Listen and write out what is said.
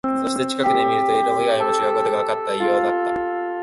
そして、近くで見ると、色以外も違うことがわかった。異様だった。